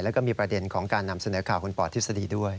แล้วก็มีประเด็นของการนำเสนอข่าวคุณป่อทฤษฎีด้วย